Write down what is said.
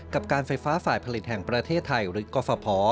กับการไฟฟ้าฝ่ายผลิตแห่งประเทศไทยหรือกรฟภ